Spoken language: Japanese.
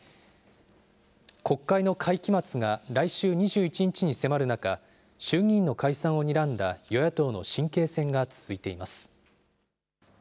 国会の会期末が来週２１日に迫る中、衆議院の解散をにらんだ与野党の神経戦が続いています。